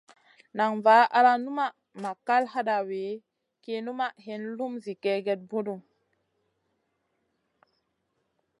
Nan var al numaʼ ma kal hadawi ki numaʼ hin lum zi kègèda bunu.